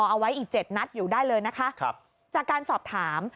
เอาไว้อีกเจ็ดนัดอยู่ได้เลยนะคะครับจากการสอบถาม